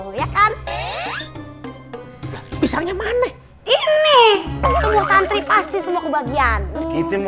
wah panjang soalnya